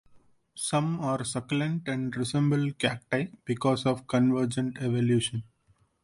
Some are succulent and resemble cacti because of convergent evolution.